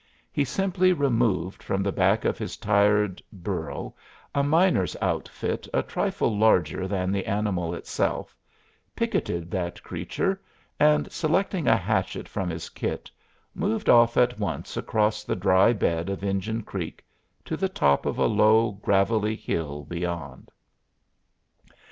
He simply removed from the back of his tired burro a miner's outfit a trifle larger than the animal itself, picketed that creature and selecting a hatchet from his kit moved off at once across the dry bed of Injun Creek to the top of a low, gravelly hill beyond.